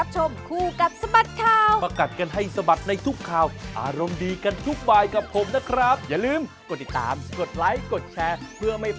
จะพามาที่ไหนอีกอย่าลืมติดตามครับวันนี้